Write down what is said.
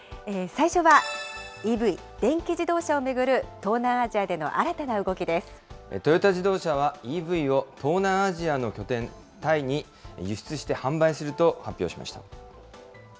最初は、ＥＶ・電気自動車を巡る東南アジアでの新たな動きでトヨタ自動車は、ＥＶを東南アジアの拠点、タイに輸出して販売すると発表しました。